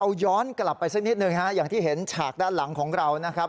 เอาย้อนกลับไปสักนิดหนึ่งฮะอย่างที่เห็นฉากด้านหลังของเรานะครับ